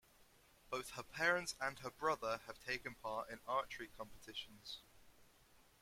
Both her parents and her brother have taken part in archery competitions.